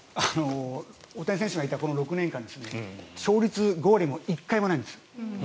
大谷選手がいたこの６年間勝率５割も１回もないんです。